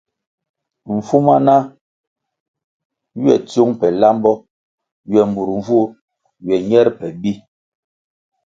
Mfuma na ywe tsiung pe lambo ywe mur mvur ywe ñer pe bi.